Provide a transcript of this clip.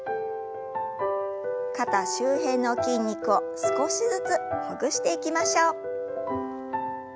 肩周辺の筋肉を少しずつほぐしていきましょう。